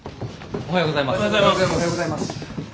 おはようございます。